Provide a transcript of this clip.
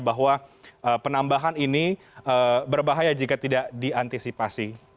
bahwa penambahan ini berbahaya jika tidak diantisipasi